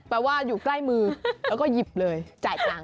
ว่าอยู่ใกล้มือแล้วก็หยิบเลยจ่ายตังค์